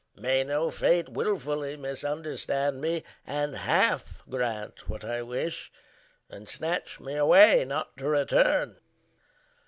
May no fate willfully misunderstand me And half grant what I wish and snatch me away Not to return.